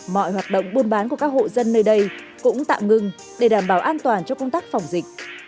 mọi hoạt động buôn bán của các hộ dân nơi đây cũng tạm ngừng để đảm bảo an toàn cho công tác phòng dịch